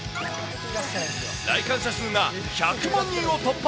来館者数が１００万人を突破。